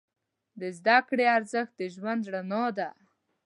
د زده کړې ارزښت د ژوند رڼا ده.